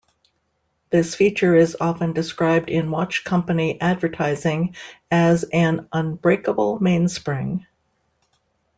This feature is often described in watch company advertising as an "unbreakable mainspring".